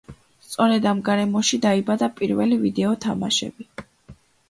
სწორედ ამ გარემოში დაიბადა პირველი ვიდეო თამაშები.